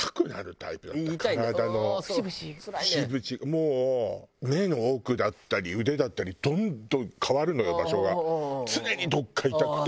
もう目の奥だったり腕だったりどんどん変わるのよ場所が。